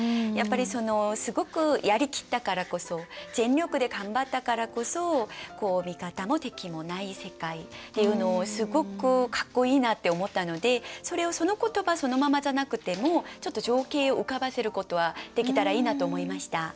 やっぱりそのすごくやりきったからこそ全力で頑張ったからこそ味方も敵もない世界っていうのをすごくかっこいいなって思ったのでそれをその言葉そのままじゃなくてもちょっと情景を浮かばせることはできたらいいなと思いました。